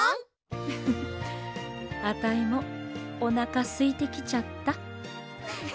ウフフあたいもおなかすいてきちゃった。